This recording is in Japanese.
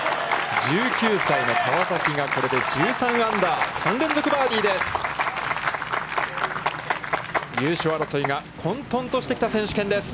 １９歳の川崎が、これで１３アンダー、３連続バーディーです。